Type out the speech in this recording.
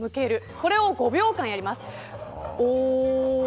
これを５秒間やります。